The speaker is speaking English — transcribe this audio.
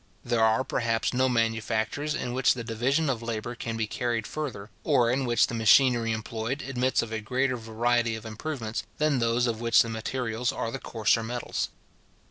There are perhaps no manufactures, in which the division of labour can be carried further, or in which the machinery employed admits of a greater variety of improvements, than those of which the materials are the coarser metals.